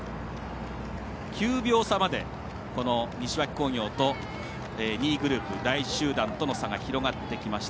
９秒差まで、西脇工業と２位グループ第１集団との差が広がってきました。